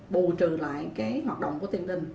bù trừ lại hoạt động của tiền đình